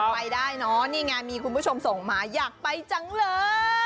ไปได้เนอะนี่ไงมีคุณผู้ชมส่งมาอยากไปจังเลย